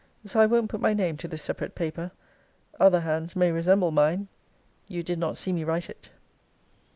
So, I won't put my name to this separate paper. Other hands may resemble mine. You did not see me write it.